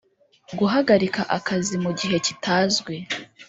Guhagarika akazi mu gihe kitazwi